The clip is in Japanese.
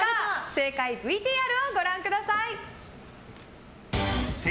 正解ＶＴＲをご覧ください。